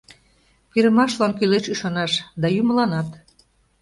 Пӱрымашлан кӱлеш ӱшанаш да юмыланат